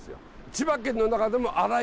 千葉県の中でも荒い海。